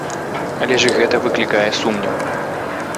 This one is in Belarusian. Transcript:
Але ж і гэта выклікае сумнеў.